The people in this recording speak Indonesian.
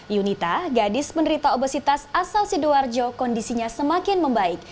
yunita gadis penderita obesitas asal sidoarjo kondisinya semakin membaik